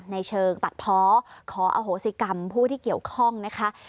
ในเชิงตัดเพาะขออโหสิกรรมผู้ที่เกี่ยวข้องนะคะ